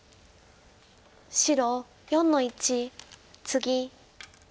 白４の一ツギ。